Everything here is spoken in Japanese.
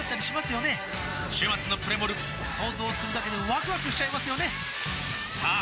週末のプレモル想像するだけでワクワクしちゃいますよねさあ